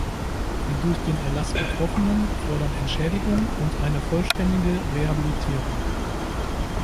Die durch den Erlass Betroffenen fordern Entschädigung und eine vollständige Rehabilitierung.